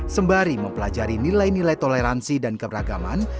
sembari mempelajari nilai nilai toleransi dan keberagaman